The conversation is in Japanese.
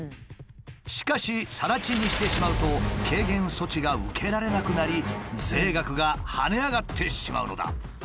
しかし更地にしてしまうと軽減措置が受けられなくなり税額が跳ね上がってしまうのだ。